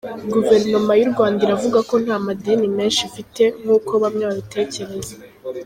Guverinoma y’u Rwanda iravuga ko nta madeni menshi ifite nkuko bamwe babitekereza.